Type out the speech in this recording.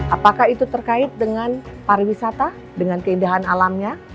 apakah itu terkait dengan pariwisata dengan keindahan alamnya